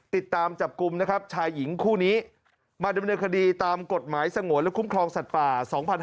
ติดตามจับกลุ่มนะครับชายหญิงคู่นี้มาดำเนินคดีตามกฎหมายสงวนและคุ้มครองสัตว์ป่า๒๕๕๙